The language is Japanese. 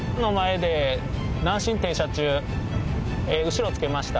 後ろつけました。